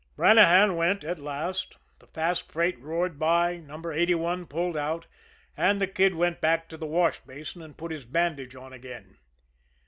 Brannahan went at last, the fast freight roared by, No. 81 pulled out, and the Kid went back to the wash basin and put his bandage on again.